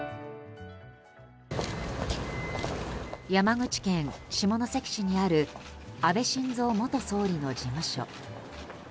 山口県下関市にある安倍晋三元総理の事務所。